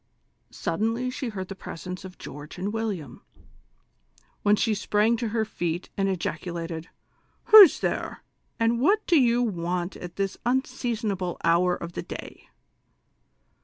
Suddenly she heard tlie presence of George and William, when she sprang to her feet and ejaculated :" Who's there ? and what do you want at this unseason able hour of the day